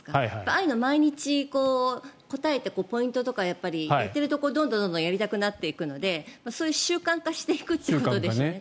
ああいうのを毎日答えてポイントとかやってるとどんどんやりたくなってくるのでそういう習慣化していくということでしょうね。